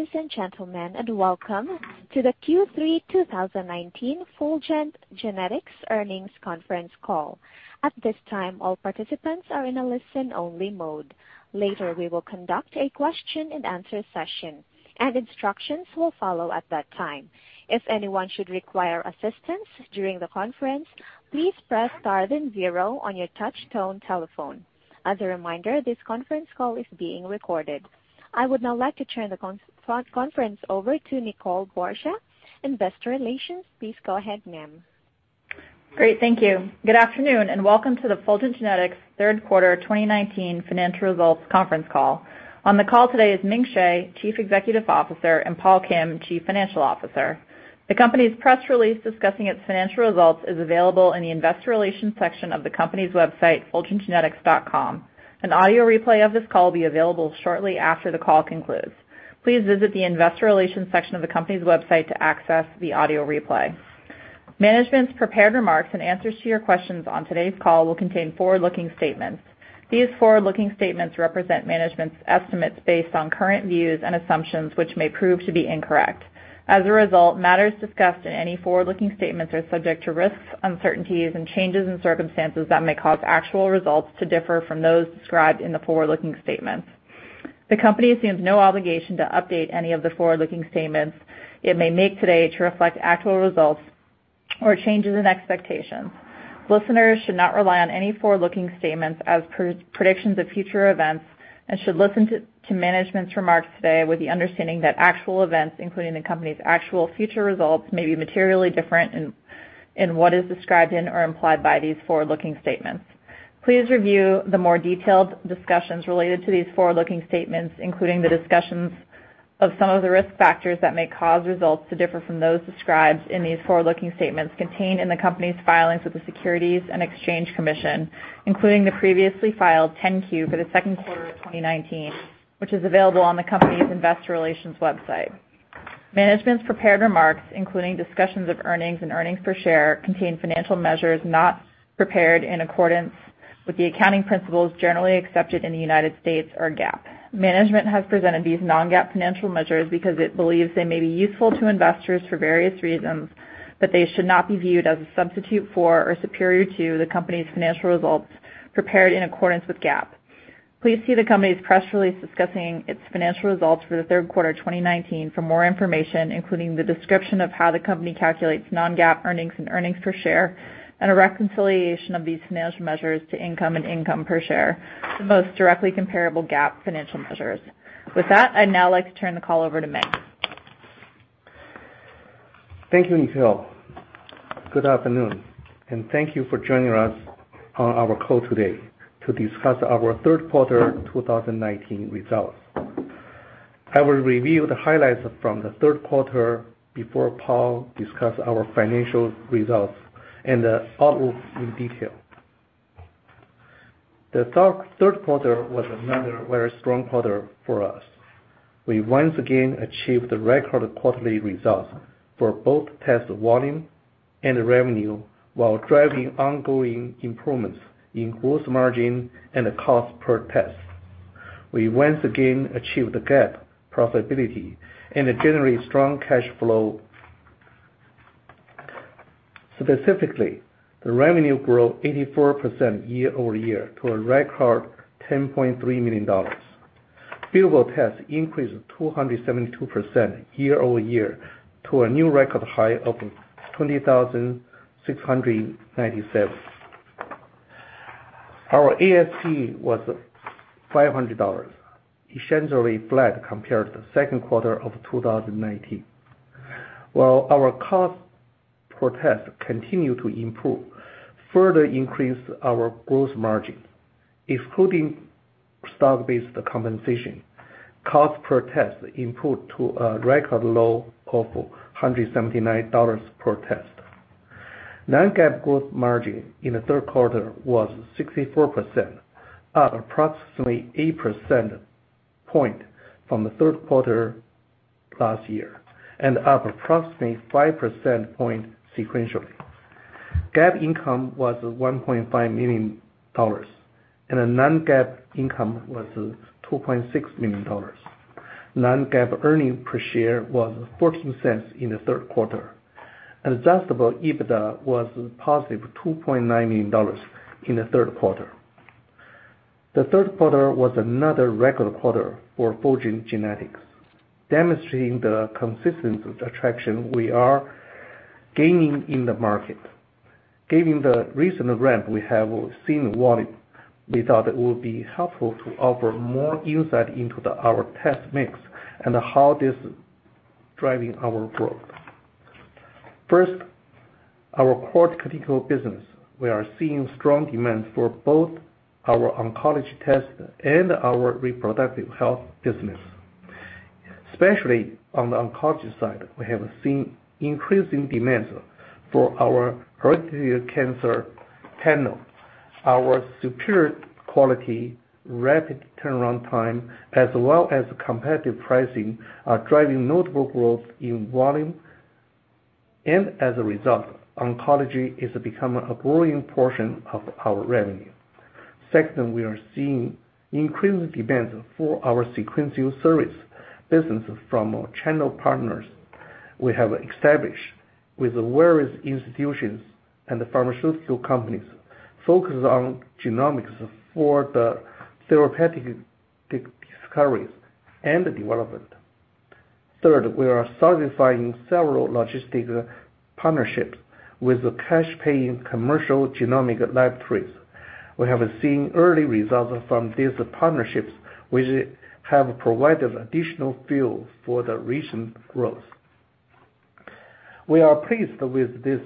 Ladies and gentlemen, welcome to the Q3 2019 Fulgent Genetics Earnings Conference Call. At this time, all participants are in a listen-only mode. Later, we will conduct a question and answer session, instructions will follow at that time. If anyone should require assistance during the conference, please press star then zero on your touchtone telephone. As a reminder, this conference call is being recorded. I would now like to turn the conference over to Nicole Borsje, investor relations. Please go ahead, ma'am. Great, thank you. Good afternoon, and welcome to the Fulgent Genetics third quarter 2019 financial results conference call. On the call today is Ming Hsieh, Chief Executive Officer, and Paul Kim, Chief Financial Officer. The company's press release discussing its financial results is available in the investor relations section of the company's website, fulgentgenetics.com. An audio replay of this call will be available shortly after the call concludes. Please visit the investor relations section of the company's website to access the audio replay. Management's prepared remarks and answers to your questions on today's call will contain forward-looking statements. These forward-looking statements represent management's estimates based on current views and assumptions, which may prove to be incorrect. As a result, matters discussed in any forward-looking statements are subject to risks, uncertainties, and changes in circumstances that may cause actual results to differ from those described in the forward-looking statements. The company assumes no obligation to update any of the forward-looking statements it may make today to reflect actual results or changes in expectations. Listeners should not rely on any forward-looking statements as predictions of future events and should listen to management's remarks today with the understanding that actual events, including the company's actual future results, may be materially different in what is described in or implied by these forward-looking statements. Please review the more detailed discussions related to these forward-looking statements, including the discussions of some of the risk factors that may cause results to differ from those described in these forward-looking statements contained in the company's filings with the Securities and Exchange Commission, including the previously filed 10-Q for the second quarter of 2019, which is available on the company's investor relations website. Management's prepared remarks, including discussions of earnings and earnings per share, contain financial measures not prepared in accordance with the accounting principles generally accepted in the United States or GAAP. Management has presented these non-GAAP financial measures because it believes they may be useful to investors for various reasons, but they should not be viewed as a substitute for or superior to the company's financial results prepared in accordance with GAAP. Please see the company's press release discussing its financial results for the third quarter 2019 for more information, including the description of how the company calculates non-GAAP earnings and earnings per share, and a reconciliation of these financial measures to income and income per share, the most directly comparable GAAP financial measures. With that, I'd now like to turn the call over to Ming. Thank you, Nicole. Good afternoon and thank you for joining us on our call today to discuss our third quarter 2019 results. I will review the highlights from the third quarter before Paul discuss our financial results and the outlook in detail. The third quarter was another very strong quarter for us. We once again achieved the record quarterly results for both test volume and revenue while driving ongoing improvements in gross margin and the cost per test. We once again achieved GAAP profitability and generated strong cash flow. Specifically, the revenue grew 84% year-over-year to a record $10.3 million. Billable tests increased 272% year-over-year to a new record high of 20,697. Our ASP was $500, essentially flat compared to the second quarter of 2019. While our cost per test continue to improve, further increase our gross margin, excluding stock-based compensation, cost per test improved to a record low of $179 per test. Non-GAAP gross margin in the third quarter was 64%, up approximately eight percent point from the third quarter last year, and up approximately 5% point sequentially. GAAP income was $1.5 million, and the non-GAAP income was $2.6 million. Non-GAAP earnings per share was $0.14 in the third quarter. Adjusted EBITDA was positive $2.9 million in the third quarter. The third quarter was another record quarter for Fulgent Genetics, demonstrating the consistent attraction we are gaining in the market. Given the recent ramp we have seen in volume, we thought it would be helpful to offer more insight into our test mix and how it is driving our growth. First, our core critical business. We are seeing strong demand for both our oncology test and our reproductive health business. Especially on the oncology side, we have seen increasing demands for our hereditary cancer panel. Our superior quality, rapid turnaround time, as well as competitive pricing, are driving notable growth in volume. As a result, oncology is becoming a growing portion of our revenue. Second, we are seeing increased demand for our sequencing service business from our channel partners we have established with various institutions and pharmaceutical companies focused on genomics for the therapeutic discoveries and development. Third, we are solidifying several logistic partnerships with cash-paying commercial genomic laboratories. We have seen early results from these partnerships, which have provided additional fuel for the recent growth. We are pleased with this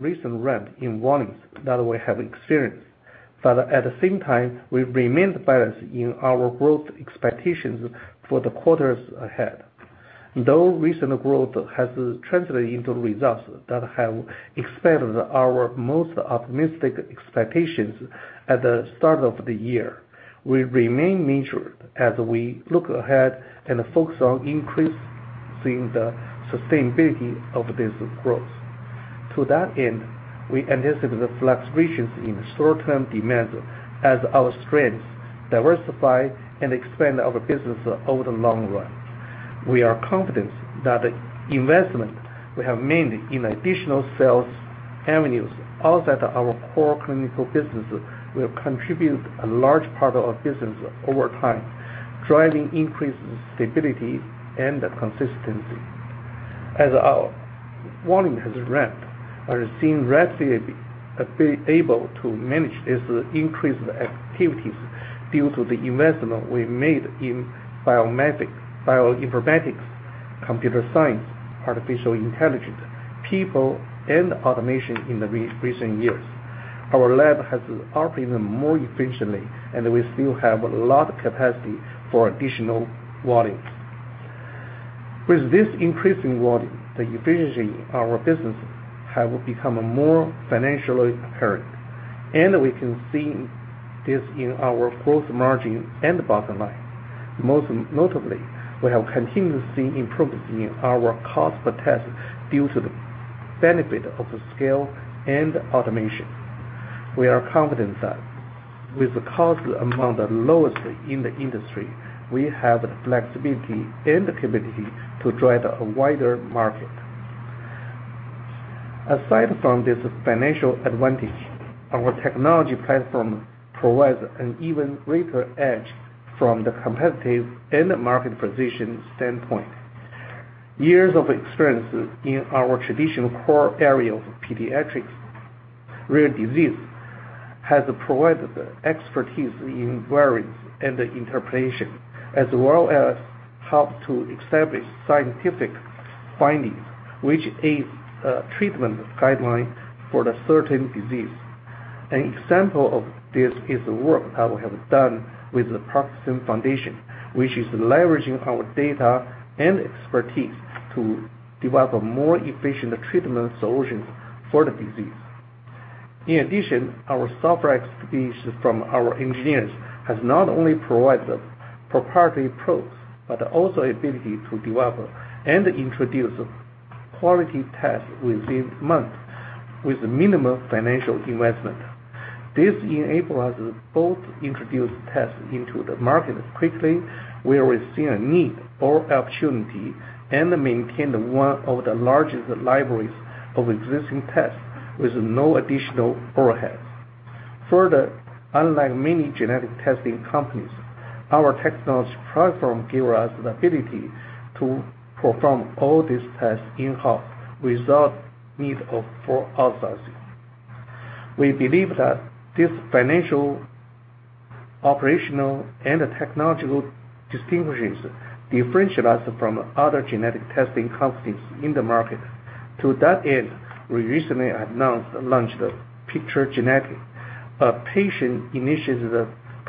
recent ramp in volumes that we have experienced. At the same time, we remain balanced in our growth expectations for the quarters ahead. Though recent growth has translated into results that have exceeded our most optimistic expectations at the start of the year, we remain measured as we look ahead and focus on increasing the sustainability of this growth. To that end, we anticipate the fluctuations in short-term demand as our strengths diversify and expand our business over the long run. We are confident that the investment we have made in additional sales avenues outside our core clinical business will contribute a large part of our business over time, driving increased stability and consistency. As our volume has ramped, I have seen resolute being able to manage this increased activities due to the investment we made in bioinformatics, computer science, artificial intelligence, people, and automation in the recent years. Our lab has operated more efficiently, and we still have a lot of capacity for additional volumes. With this increasing volume, the efficiency of our business has become more financially apparent. We can see this in our growth margin and bottom line. Most notably, we have continuously improved in our cost per test due to the benefit of scale and automation. We are confident that with the cost among the lowest in the industry, we have the flexibility and the capability to drive a wider market. Aside from this financial advantage, our technology platform provides an even greater edge from the competitive and market position standpoint. Years of experience in our traditional core area of pediatrics rare disease has provided expertise in queries and interpretation, as well as helped to establish scientific findings which aid treatment guidelines for a certain disease. An example of this is the work that we have done with the Parkinson Foundation, which is leveraging our data and expertise to develop more efficient treatment solutions for the disease. In addition, our software expertise from our engineers has not only provided proprietary probes, but also ability to develop and introduce quality tests within months with minimal financial investment. This enables us both introduce tests into the market quickly where we see a need or opportunity and maintain one of the largest libraries of existing tests with no additional overheads. Further, unlike many genetic testing companies, our technology platform gives us the ability to perform all these tests in-house without need for outsourcing. We believe that this financial, operational, and technological distinctions differentiate us from other genetic testing companies in the market. To that end, we recently announced the launch of Picture Genetics, a patient-initiated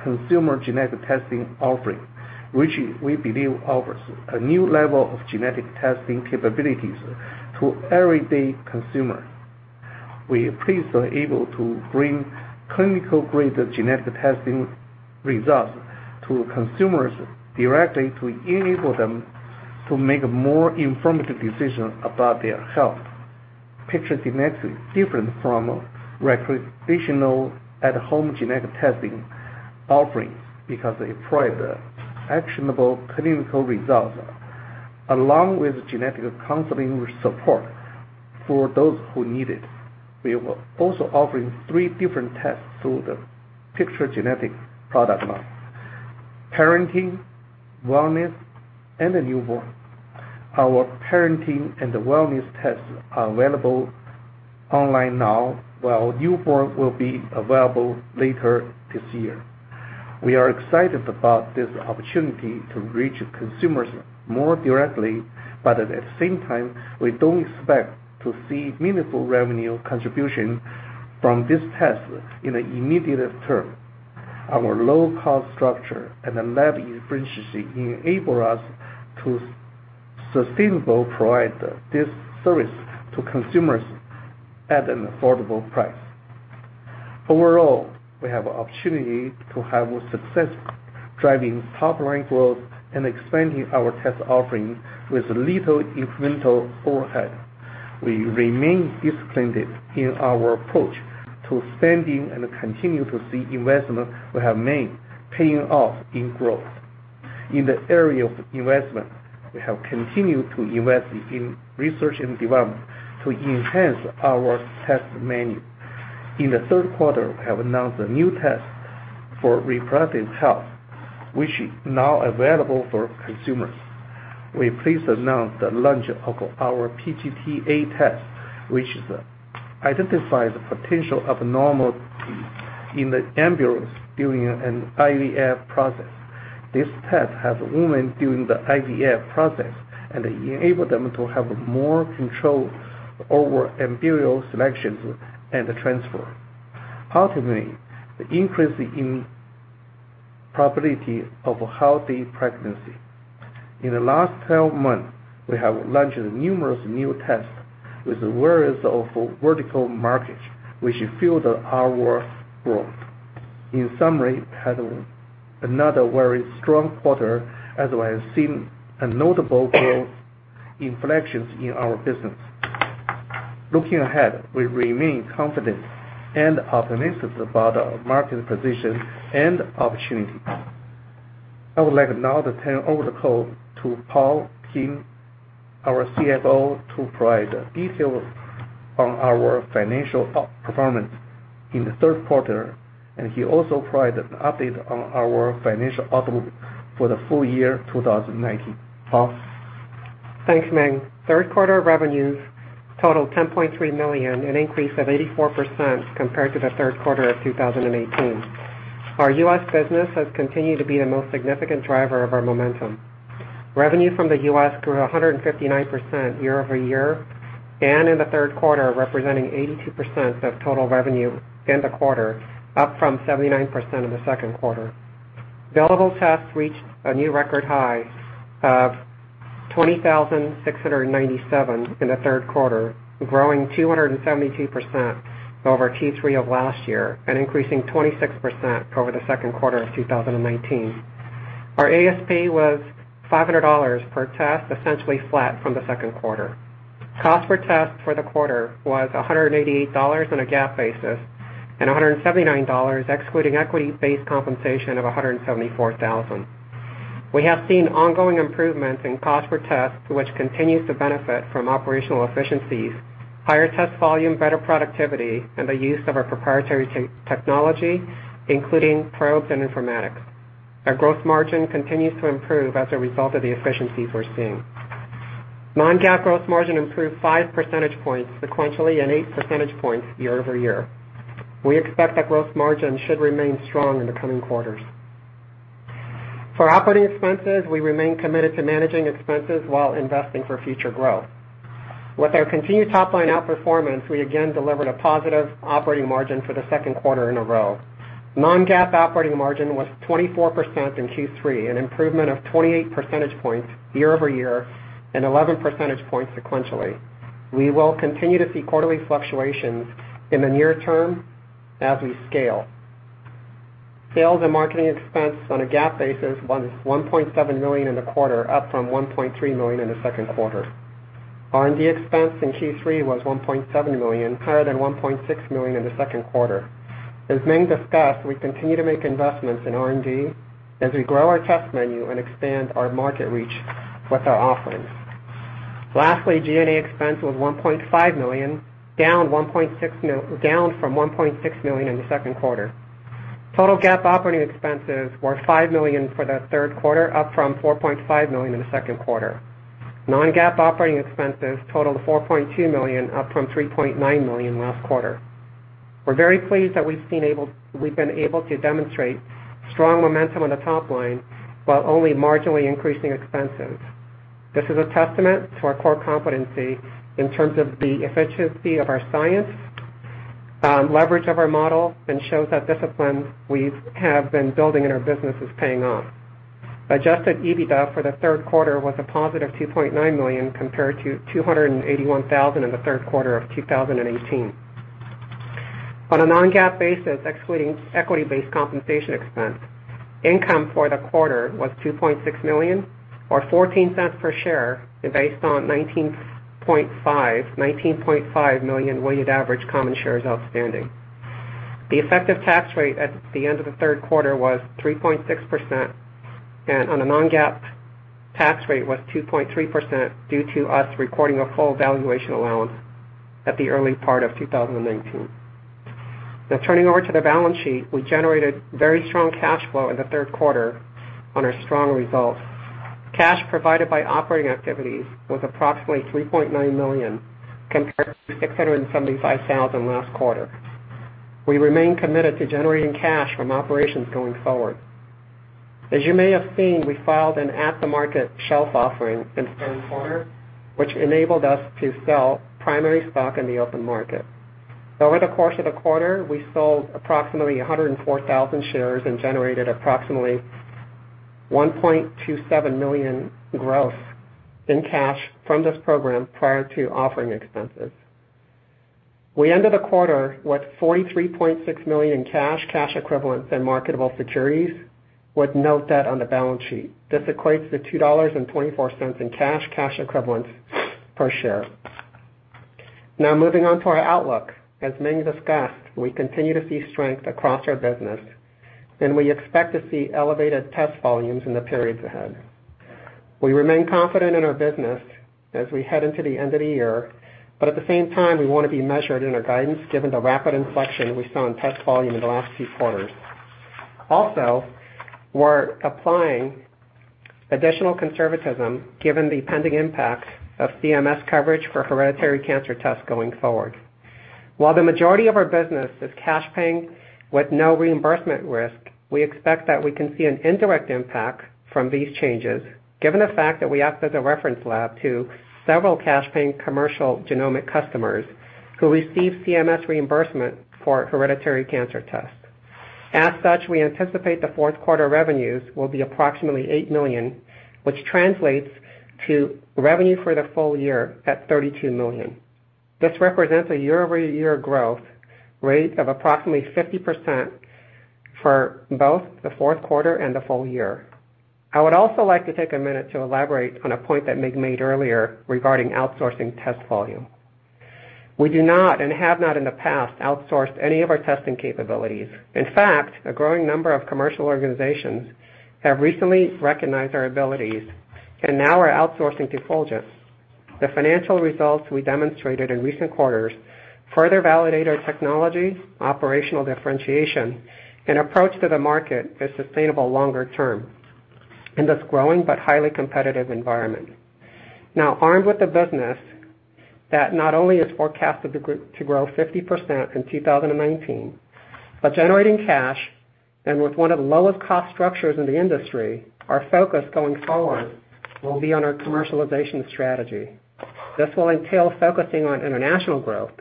consumer genetic testing offering, which we believe offers a new level of genetic testing capabilities to everyday consumers. We are pleased to be able to bring clinical-grade genetic testing results to consumers directly to enable them to make more informative decisions about their health. Picture Genetics is different from recreational at-home genetic testing offerings because they provide actionable clinical results along with genetic counseling support for those who need it. We are also offering three different tests through the Picture Genetics product line: parenting, wellness, and newborn. Our parenting and wellness tests are available online now, while newborn will be available later this year. We are excited about this opportunity to reach consumers more directly, but at the same time, we don't expect to see meaningful revenue contribution from this test in the immediate term. Our low-cost structure and lab efficiency enable us to sustainable provide this service to consumers at an affordable price. Overall, we have an opportunity to have success driving top-line growth and expanding our test offering with little incremental overhead. We remain disciplined in our approach to spending and continue to see investment we have made paying off in growth. In the area of investment, we have continued to invest in research and development to enhance our test menu. In the third quarter, we have announced a new test for reproductive health, which is now available for consumers. We please announce the launch of our PGT-A test, which identifies the potential of normal genes in the embryos during an IVF process. This test helps women during the IVF process and enables them to have more control over embryo selections and transfer, ultimately, the increase in probability of a healthy pregnancy. In the last 12 months, we have launched numerous new tests with various vertical markets, which fueled our growth. In summary, we had another very strong quarter as we have seen a notable growth inflection in our business. Looking ahead, we remain confident and optimistic about our market position and opportunities. I would like now to turn over the call to Paul Kim, our CFO, to provide details on our financial performance in the third quarter, and he'll also provide an update on our financial outlook for the full year 2019. Paul? Thanks, Ming. Third quarter revenues totaled $10.3 million, an increase of 84% compared to the third quarter of 2018. Our U.S. business has continued to be the most significant driver of our momentum. Revenue from the U.S. grew 159% year-over-year, and in the third quarter, representing 82% of total revenue in the quarter, up from 79% in the second quarter. Billable tests reached a new record high of 20,697 in the third quarter, growing 272% over Q3 of last year and increasing 26% over the second quarter of 2019. Our ASP was $500 per test, essentially flat from the second quarter. Cost per test for the quarter was $188 on a GAAP basis and $179, excluding equity-based compensation of $174,000. We have seen ongoing improvements in cost per test, which continues to benefit from operational efficiencies, higher test volume, better productivity, and the use of our proprietary technology, including probes and informatics. Our growth margin continues to improve as a result of the efficiencies we're seeing. Non-GAAP growth margin improved five percentage points sequentially and eight percentage points year-over-year. We expect that growth margin should remain strong in the coming quarters. For operating expenses, we remain committed to managing expenses while investing for future growth. With our continued top-line outperformance, we again delivered a positive operating margin for the second quarter in a row. Non-GAAP operating margin was 24% in Q3, an improvement of 28 percentage points year-over-year and 11 percentage points sequentially. We will continue to see quarterly fluctuations in the near term as we scale. Sales and marketing expense on a GAAP basis was $1.7 million in the quarter, up from $1.3 million in the second quarter. R&D expense in Q3 was $1.7 million, higher than $1.6 million in the second quarter. As Ming discussed, we continue to make investments in R&D as we grow our test menu and expand our market reach with our offerings. Lastly, G&A expense was $1.5 million, down from $1.6 million in the second quarter. Total GAAP operating expenses were $5 million for the third quarter, up from $4.5 million in the second quarter. Non-GAAP operating expenses totaled $4.2 million, up from $3.9 million last quarter. We're very pleased that we've been able to demonstrate strong momentum on the top line while only marginally increasing expenses. This is a testament to our core competency in terms of the efficiency of our science, leverage of our model, and shows that discipline we have been building in our business is paying off. Adjusted EBITDA for the third quarter was a positive $2.9 million compared to $281,000 in the third quarter of 2018. On a non-GAAP basis, excluding equity-based compensation expense, income for the quarter was $2.6 million or $0.14 per share based on 19.5 million weighted average common shares outstanding. The effective tax rate at the end of the third quarter was 3.6%. On a non-GAAP, tax rate was 2.3% due to us recording a full valuation allowance at the early part of 2019. Turning over to the balance sheet, we generated very strong cash flow in the third quarter on our strong results. Cash provided by operating activities was approximately $3.9 million compared to $675,000 last quarter. We remain committed to generating cash from operations going forward. As you may have seen, we filed an at-the-market shelf offering in the third quarter, which enabled us to sell primary stock in the open market. Over the course of the quarter, we sold approximately 104,000 shares and generated approximately $1.27 million growth in cash from this program prior to offering expenses. We ended the quarter with $43.6 million cash equivalents and marketable securities with no debt on the balance sheet. This equates to $2.24 in cash equivalents per share. Moving on to our outlook. As Ming discussed, we continue to see strength across our business, and we expect to see elevated test volumes in the periods ahead. We remain confident in our business as we head into the end of the year. At the same time, we want to be measured in our guidance given the rapid inflection we saw in test volume in the last few quarters. We're applying additional conservatism given the pending impact of CMS coverage for hereditary cancer tests going forward. While the majority of our business is cash-paying with no reimbursement risk, we expect that we can see an indirect impact from these changes, given the fact that we act as a reference lab to several cash-paying commercial genomic customers who receive CMS reimbursement for hereditary cancer tests. We anticipate the fourth quarter revenues will be approximately $8 million, which translates to revenue for the full year at $32 million. This represents a year-over-year growth rate of approximately 50% for both the fourth quarter and the full year. I would also like to take a minute to elaborate on a point that Ming made earlier regarding outsourcing test volume. We do not, and have not in the past, outsourced any of our testing capabilities. In fact, a growing number of commercial organizations have recently recognized our abilities and now are outsourcing to Fulgent. The financial results we demonstrated in recent quarters further validate our technology, operational differentiation, and approach to the market as sustainable longer term in this growing but highly competitive environment. Armed with a business that not only is forecasted to grow 50% in 2019, but generating cash and with one of the lowest cost structures in the industry, our focus going forward will be on our commercialization strategy. This will entail focusing on international growth,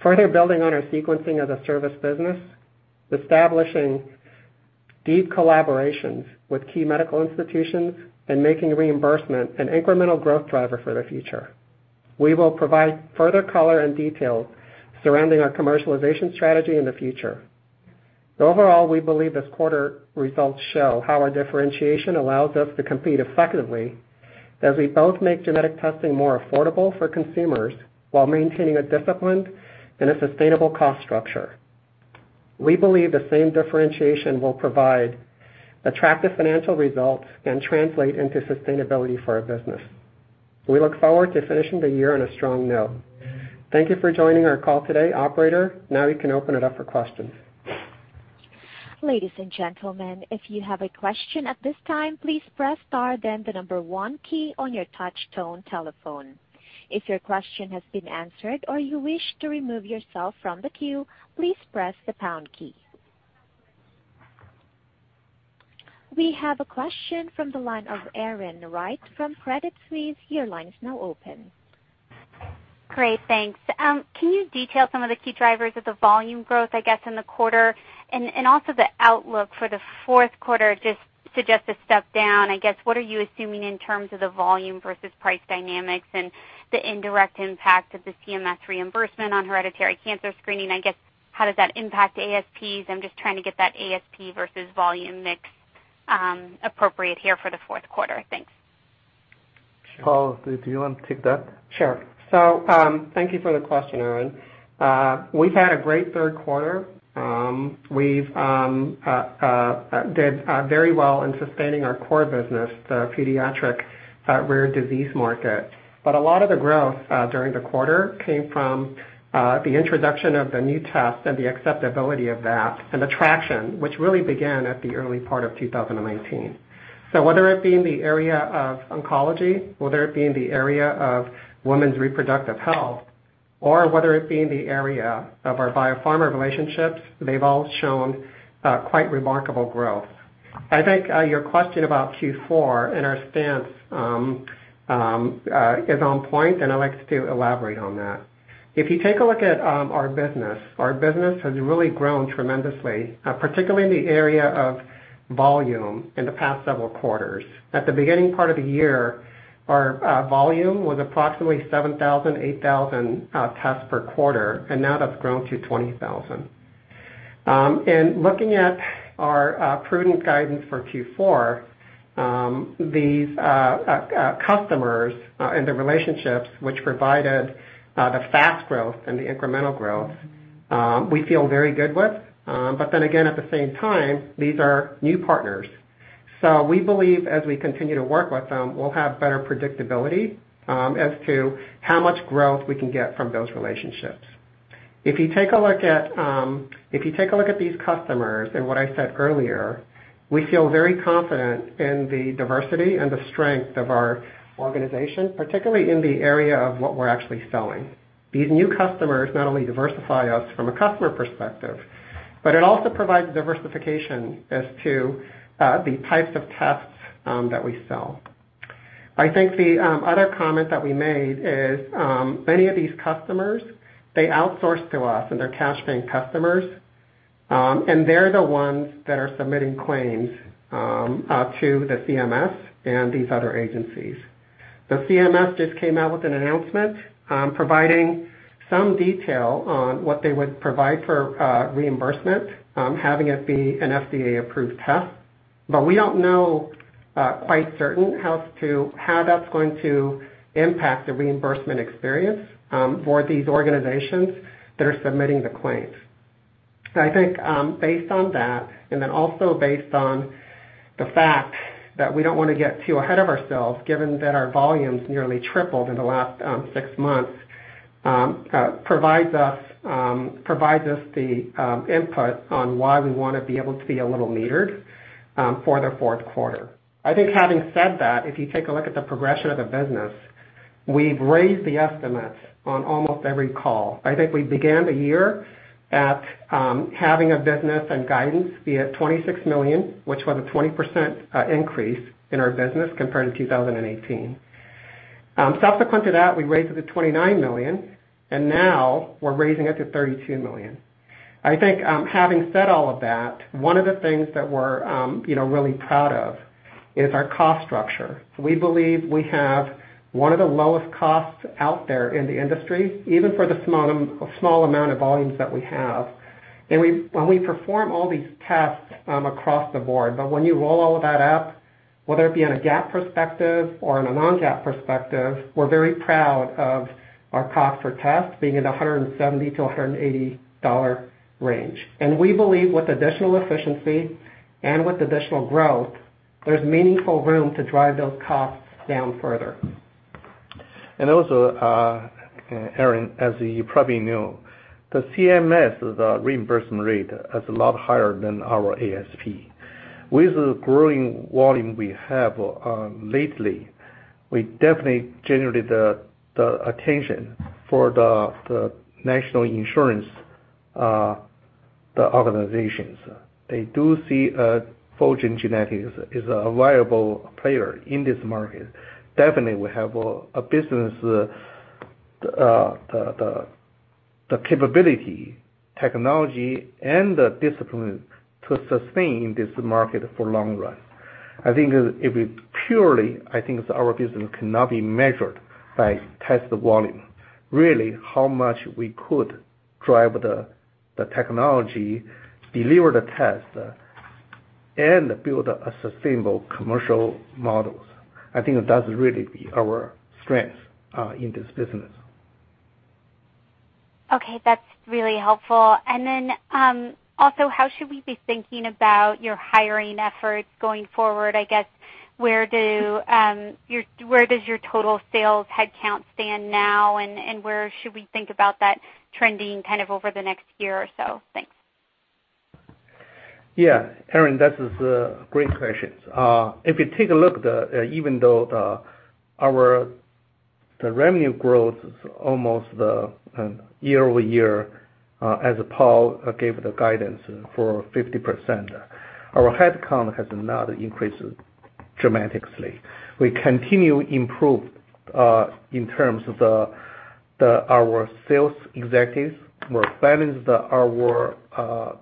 further building on our sequencing as a service business, establishing deep collaborations with key medical institutions, and making reimbursement an incremental growth driver for the future. We will provide further color and detail surrounding our commercialization strategy in the future. Overall, we believe this quarter results show how our differentiation allows us to compete effectively as we both make genetic testing more affordable for consumers while maintaining a disciplined and a sustainable cost structure. We believe the same differentiation will provide attractive financial results and translate into sustainability for our business. We look forward to finishing the year on a strong note. Thank you for joining our call today. Operator, now you can open it up for questions. Ladies and gentlemen, if you have a question at this time, please press star then the number one key on your touch tone telephone. If your question has been answered or you wish to remove yourself from the queue, please press the pound key. We have a question from the line of Erin Wright from Credit Suisse. Your line is now open. Great, thanks. Can you detail some of the key drivers of the volume growth in the quarter, and also the outlook for the fourth quarter, just suggest a step down. What are you assuming in terms of the volume versus price dynamics and the indirect impact of the CMS reimbursement on hereditary cancer screening? How does that impact ASPs? I'm just trying to get that ASP versus volume mix appropriate here for the fourth quarter. Thanks. Paul, do you want to take that? Sure. Thank you for the question, Erin. We've had a great third quarter. We did very well in sustaining our core business, the pediatric rare disease market. A lot of the growth during the quarter came from the introduction of the new test and the acceptability of that, and the traction, which really began at the early part of 2019. Whether it be in the area of oncology, whether it be in the area of women's reproductive health, or whether it be in the area of our biopharma relationships, they've all shown quite remarkable growth. I think your question about Q4 and our stance is on point, and I'd like to elaborate on that. If you take a look at our business, our business has really grown tremendously, particularly in the area of volume in the past several quarters. At the beginning part of the year, our volume was approximately 7,000, 8,000 tests per quarter, and now that's grown to 20,000. In looking at our prudent guidance for Q4, these customers and the relationships which provided the fast growth and the incremental growth, we feel very good with. Again, at the same time, these are new partners. We believe as we continue to work with them, we'll have better predictability as to how much growth we can get from those relationships. If you take a look at these customers and what I said earlier, we feel very confident in the diversity and the strength of our organization, particularly in the area of what we're actually selling. These new customers not only diversify us from a customer perspective, it also provides diversification as to the types of tests that we sell. I think the other comment that we made is many of these customers, they outsource to us and they're cash-paying customers, and they're the ones that are submitting claims to the CMS and these other agencies. The CMS just came out with an announcement providing some detail on what they would provide for reimbursement, having it be an FDA-approved test. We don't know quite certain how that's going to impact the reimbursement experience for these organizations that are submitting the claims. I think based on that, and then also based on the fact that we don't want to get too ahead of ourselves, given that our volumes nearly tripled in the last six months, provides us the input on why we want to be able to be a little metered for the fourth quarter. I think having said that, if you take a look at the progression of the business, we've raised the estimates on almost every call. I think we began the year at having a business and guidance be at $26 million, which was a 20% increase in our business compared to 2018. Subsequent to that, we raised it to $29 million, and now we're raising it to $32 million. I think having said all of that, one of the things that we're really proud of is our cost structure. We believe we have one of the lowest costs out there in the industry, even for the small amount of volumes that we have. When we perform all these tests across the board, but when you roll all of that up, whether it be on a GAAP perspective or on a non-GAAP perspective, we're very proud of our cost for test being in the $170-$180 range. We believe with additional efficiency and with additional growth, there's meaningful room to drive those costs down further. Also, Erin, as you probably know, the CMS reimbursement rate is a lot higher than our ASP. With the growing volume we have lately, we definitely generated the attention for the national insurance organizations. They do see Fulgent Genetics as a viable player in this market. Definitely, we have a business, the capability, technology, and the discipline to sustain this market for long run. I think our business cannot be measured by test volume. Really, how much we could drive the technology, deliver the test, and build a sustainable commercial models. I think that's really our strength in this business. Okay. That's really helpful. How should we be thinking about your hiring efforts going forward? I guess, where does your total sales headcount stand now, and where should we think about that trending over the next year or so? Thanks. Yeah. Erin, that is a great question. If you take a look, even though our revenue growth is almost year-over-year, as Paul gave the guidance for 50%, our headcount has not increased dramatically. We continue improve in terms of our sales executives. We're expanding our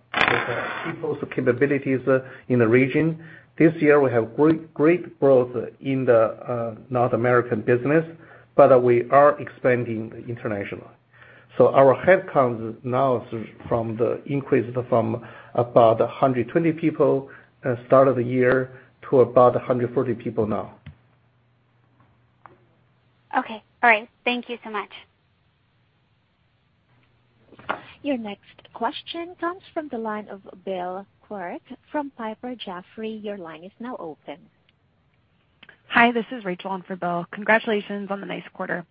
people's capabilities in the region. This year, we have great growth in the North American business, we are expanding internationally. Our headcount now is from the increase from about 120 people start of the year to about 140 people now. Okay. All right. Thank you so much. Your next question comes from the line of Bill Clark from Piper Jaffray. Your line is now open. Hi, this is Rachel on for Bill. Congratulations on the nice quarter.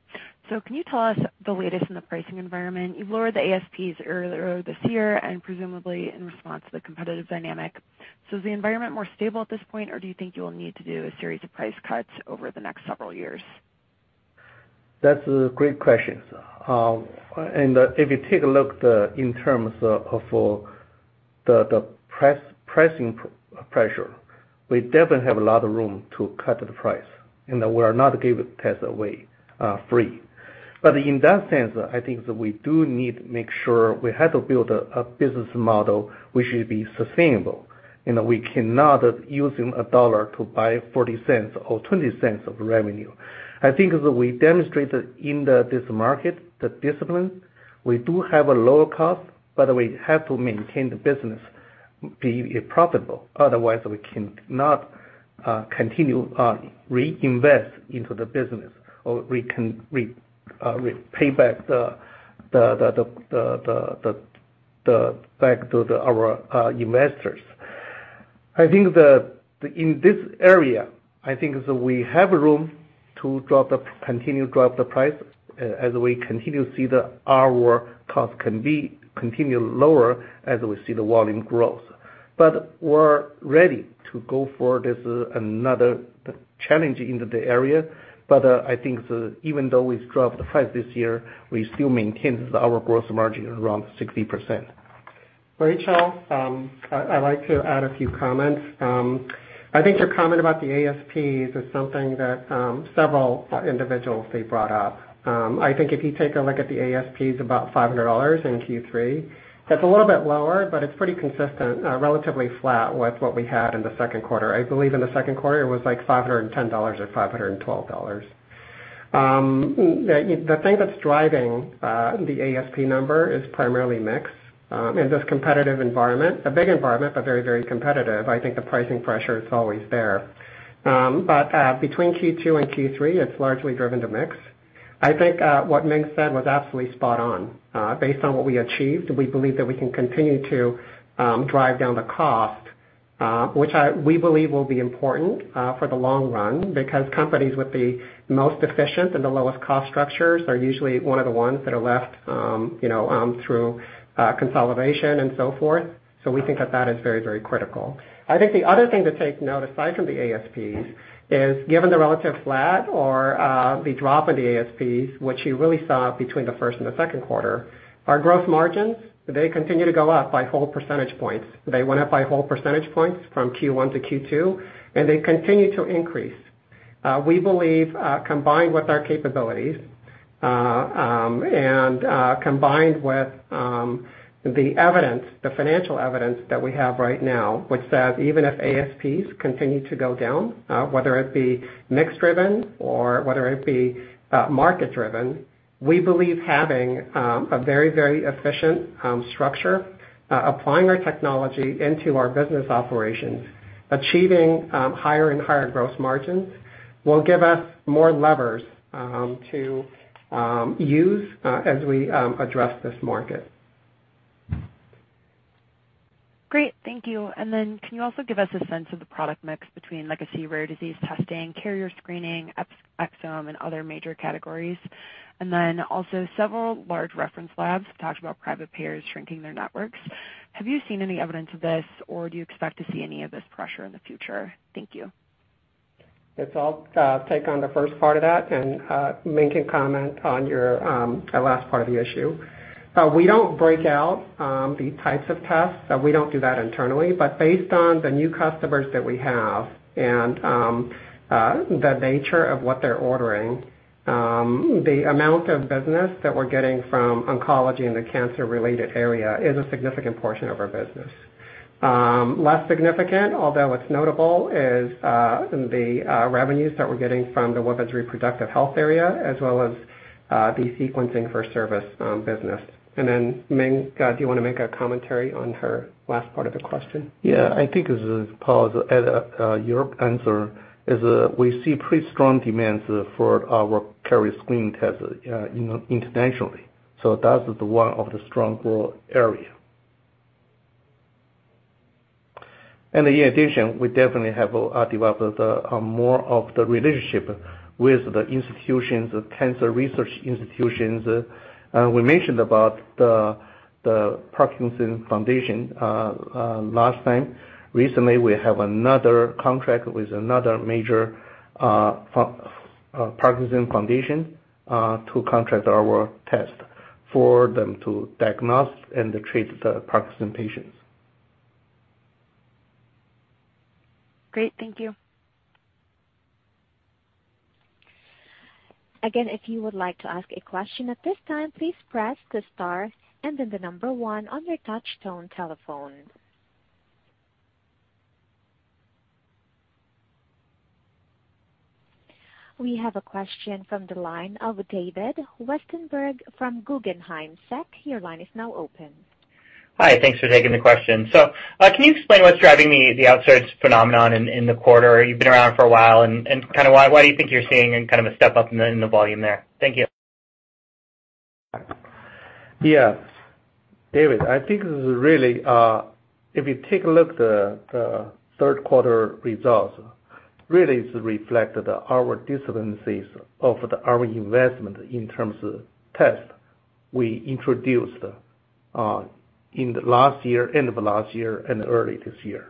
Can you tell us the latest in the pricing environment? You've lowered the ASPs earlier this year and presumably in response to the competitive dynamic. Is the environment more stable at this point, or do you think you'll need to do a series of price cuts over the next several years? That's a great question. If you take a look in terms of the pricing pressure, we definitely have a lot of room to cut the price, and we are not giving tests away free. In that sense, I think we do need to make sure we have to build a business model which should be sustainable, and we cannot use $1 to buy $0.40 or $0.20 of revenue. I think as we demonstrated in this market, the discipline, we do have a lower cost, but we have to maintain the business to be profitable. Otherwise, we cannot continue to reinvest into the business or pay back to our investors. I think that in this area, I think we have room to continue to drop the price as we continue to see that our cost can be continually lower as we see the volume growth. We're ready to go for this another challenge into the area. I think even though we dropped the price this year, we still maintain our gross margin around 60%. Rachel, I'd like to add a few comments. I think your comment about the ASPs is something that several individuals brought up. I think if you take a look at the ASPs, about $500 in Q3, that's a little bit lower, but it's pretty consistent, relatively flat with what we had in the second quarter. I believe in the second quarter it was like $510 or $512. The thing that's driving the ASP number is primarily mix in this competitive environment, a big environment, but very competitive. I think the pricing pressure is always there. Between Q2 and Q3, it's largely driven to mix. I think what Ming said was absolutely spot on. Based on what we achieved, we believe that we can continue to drive down the cost, which we believe will be important for the long run, because companies with the most efficient and the lowest cost structures are usually one of the ones that are left through consolidation and so forth. We think that is very critical. I think the other thing to take note, aside from the ASPs, is given the relative flat or the drop in the ASPs, which you really saw between the first and the second quarter, our gross margins, they continue to go up by whole percentage points. They went up by whole percentage points from Q1 to Q2. They continue to increase. We believe, combined with our capabilities, combined with the financial evidence that we have right now, which says even if ASPs continue to go down, whether it be mix driven or whether it be market driven, we believe having a very efficient structure, applying our technology into our business operations, achieving higher and higher gross margins, will give us more levers to use as we address this market. Great. Thank you. Then can you also give us a sense of the product mix between legacy rare disease testing, carrier screening, exome, and other major categories? Then also several large reference labs talked about private payers shrinking their networks. Have you seen any evidence of this, or do you expect to see any of this pressure in the future? Thank you. Yes. I'll take on the first part of that and Ming can comment on your last part of the issue. We don't break out the types of tests. We don't do that internally, but based on the new customers that we have and the nature of what they're ordering, the amount of business that we're getting from oncology and the cancer related area is a significant portion of our business. Less significant, although it's notable, is the revenues that we're getting from the women's reproductive health area as well as the sequencing for service business. Ming, do you want to make a commentary on her last part of the question? I think as Paul said, your answer is we see pretty strong demands for our carrier screening test internationally. That is one of the strong growth area. In addition, we definitely have developed more of the relationship with the cancer research institutions. We mentioned about the Parkinson Foundation last time. Recently, we have another contract with another major Parkinson Foundation to contract our test for them to diagnose and treat the Parkinson patients. Great. Thank you. Again, if you would like to ask a question at this time, please press the star and then the number one on your touchtone telephone. We have a question from the line of David Westenberg from Guggenheim. Sir, your line is now open. Hi. Thanks for taking the question. Can you explain what's driving the outsized phenomenon in the quarter? You've been around for a while, and why do you think you're seeing a step up in the volume there? Thank you. Yes. David, I think this is really, if you take a look at the third quarter results, really it's reflected our disciplinaries of our investment in terms of tests we introduced in the last year, end of last year and early this year.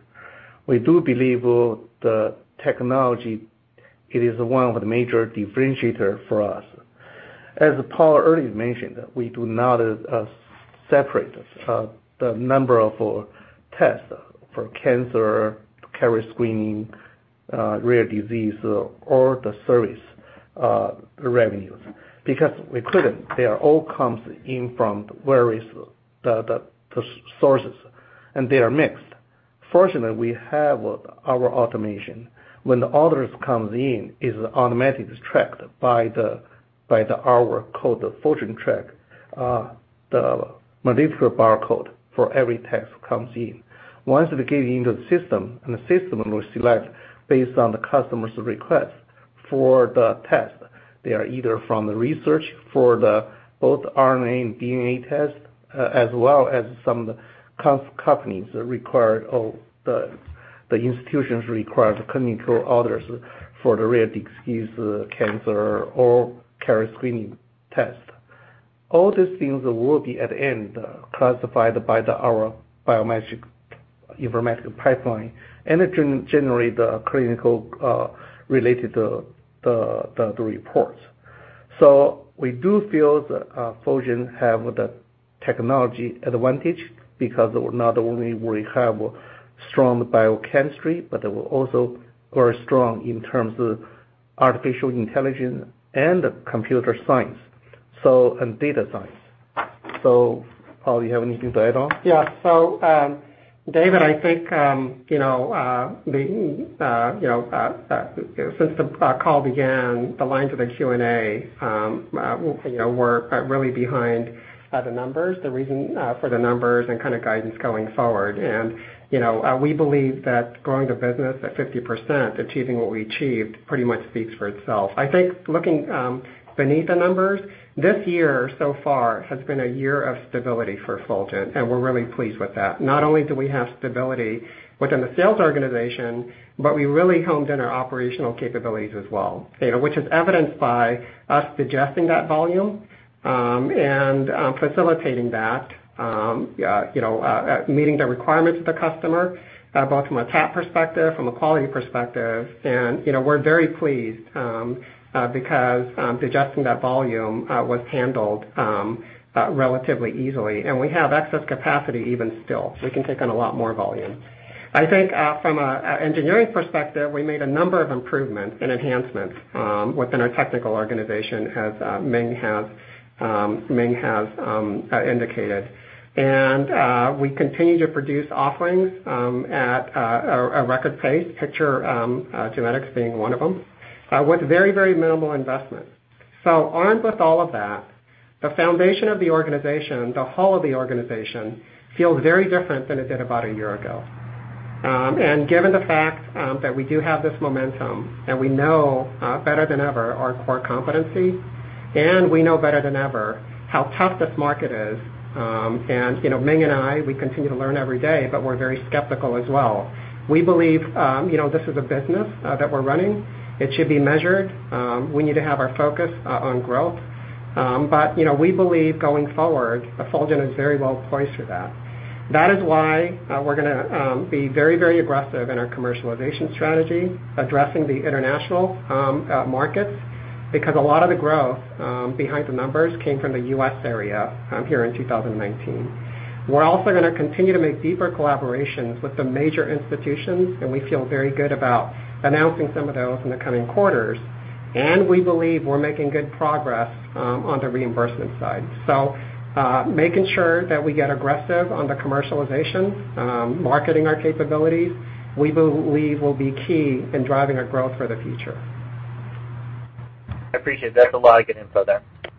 We do believe the technology, it is one of the major differentiator for us. As Paul earlier mentioned, we do not separate the number of tests for cancer, carrier screening, rare disease, or the service revenues because we couldn't. They all come in from various sources, and they are mixed. Fortunately, we have our automation. When the orders comes in, it's automatically tracked by our code, the Fulgent track, the molecular barcode for every test comes in. Once they get into the system, the system will select based on the customer's request for the test. They are either from the research for both RNA and DNA tests, as well as some companies required or the institutions required to control orders for the rare disease, cancer, or carrier screening test. All these things will be at the end classified by our bioinformatic pipeline and it generate the clinical related reports. We do feel that Fulgent have the technology advantage because not only we have strong biochemistry, but we're also very strong in terms of artificial intelligence and computer science and data science. Paul, you have anything to add on? Yeah. David, I think since the call began, the lines of the Q&A were really behind the numbers, the reason for the numbers and guidance going forward. We believe that growing the business at 50%, achieving what we achieved pretty much speaks for itself. I think looking beneath the numbers, this year so far has been a year of stability for Fulgent, and we're really pleased with that. Not only do we have stability within the sales organization, we really honed in our operational capabilities as well, which is evidenced by us digesting that volume, and facilitating that, meeting the requirements of the customer, both from a TAT perspective, from a quality perspective. We're very pleased because digesting that volume was handled relatively easily. We have excess capacity even still. We can take on a lot more volume. I think from an engineering perspective, we made a number of improvements and enhancements within our technical organization as Ming has indicated. We continue to produce offerings at a record pace. Picture Genetics being one of them, with very minimal investment. Armed with all of that, the foundation of the organization, the hull of the organization, feels very different than it did about a year ago. Given the fact that we do have this momentum and we know better than ever our core competency, and we know better than ever how tough this market is. Ming and I, we continue to learn every day, but we're very skeptical as well. We believe this is a business that we're running. It should be measured. We need to have our focus on growth. We believe going forward, Fulgent is very well poised for that. That is why we're going to be very aggressive in our commercialization strategy, addressing the international markets, because a lot of the growth behind the numbers came from the U.S. area here in 2019. We're also going to continue to make deeper collaborations with the major institutions, and we feel very good about announcing some of those in the coming quarters. We believe we're making good progress on the reimbursement side. Making sure that we get aggressive on the commercialization, marketing our capabilities, we believe will be key in driving our growth for the future. I appreciate it. That's a lot of good info there.